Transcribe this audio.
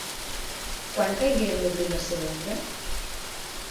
Quan caigué en l'oblit la seva obra?